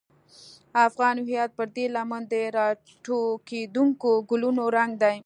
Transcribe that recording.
افغان هویت پر دې لمن د راټوکېدونکو ګلونو رنګ دی.